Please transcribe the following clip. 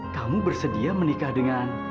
kamu bersedia menikah dengan